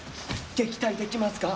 撃退できますか？